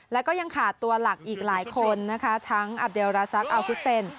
แล้วก็ยังขาดตัวหลักอีกหลายคนนะคะทั้งอับเดลราซักอัลฟุเซน